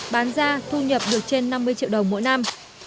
bán ra thu nhập được trên năm mươi triệu đồng mỗi năm